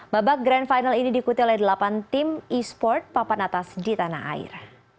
babak grand final ini diikuti oleh delapan tim e sport papan atas di tanah air